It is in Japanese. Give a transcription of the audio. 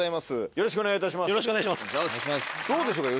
よろしくお願いします。